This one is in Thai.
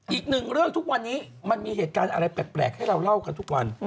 อีกหนึ่งเรื่องทุกวันนี้มันมีเหตุการณ์อะไรแปลกให้เราเล่ากันทุกวัน